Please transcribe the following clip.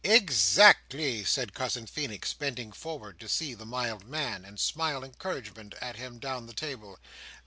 "Exactly," said Cousin Feenix, bending forward to see the mild man, and smile encouragement at him down the table.